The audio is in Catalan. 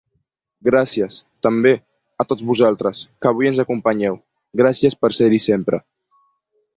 Gràcies, també, a tots vosaltres, que avui ens acompanyeu: gràcies per ser-hi sempre.